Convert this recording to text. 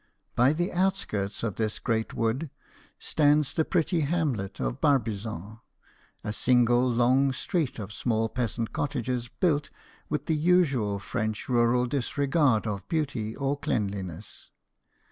By the outskirts of this great wood stands the pretty hamlet of Barbizon, a single long street of small peasant cottages, built witli the usual French rural disregard of beauty or cleanliness.